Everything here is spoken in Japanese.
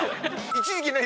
一時期ね。